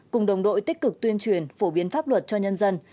cùng đồng đội tích cực tuyên truyền phổ biến pháp luật cho nhân dân